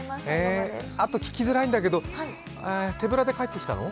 聞きづらいんだけど、手ぶらで帰ってきたの？